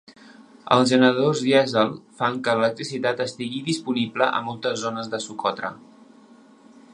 Els generadors dièsel fan que l'electricitat estigui disponible a moltes zones de Socotra.